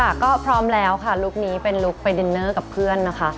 ค่ะก็พร้อมแล้วค่ะลุคนี้เป็นลุคไปดินเนอร์กับเพื่อนนะคะ